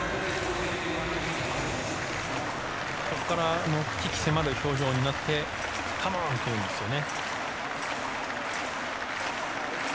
ここから鬼気迫る表情になってカモン！って言うんですよね。